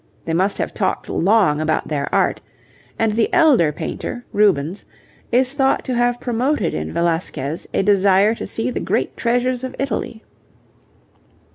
They must have talked long about their art, and the elder painter, Rubens, is thought to have promoted in Velasquez a desire to see the great treasures of Italy.